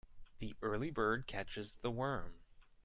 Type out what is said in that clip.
The early bird catches the worm.